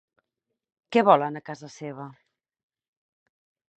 Què volen a casa seva?